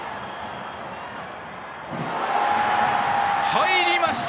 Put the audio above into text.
入りました！